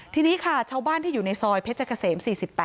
ทีนี้ค่ะชาวบ้านที่อยู่ในซอยเพชรเกษม๔๘